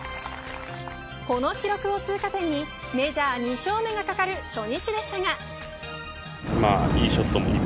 この記録を通過点にメジャー２勝目がかかる初日でしたが。